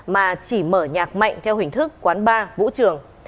mà chỉ mở nhạc mạnh theo hình thức quán bar vũ trường